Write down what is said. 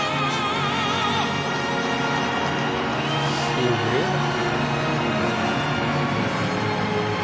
すげえな。